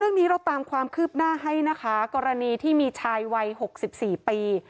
เราตามความคืบหน้าให้นะคะกรณีที่มีชายวัย๖๔ปี